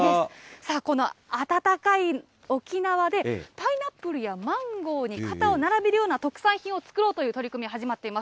さあ、この暖かい沖縄で、パイナップルやマンゴーに肩を並べるような特産品を作ろうという取り組みが始まっています。